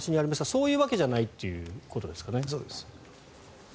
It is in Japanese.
そういうことではないということですかね。